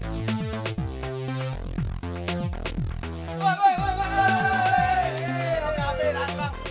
oh nih kita gak usah liat disini dong